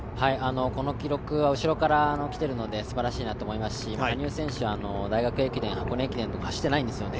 この記録は後ろから来ているのですばらしいなと思いますし、羽生選手は大学駅伝、箱根駅伝と走っていないんですね。